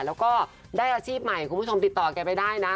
แล้วก็ได้อาชีพใหม่คุณผู้ชมติดต่อแกไปได้นะ